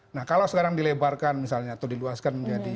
nah kalau sekarang dilebarkan misalnya atau diluaskan menjadi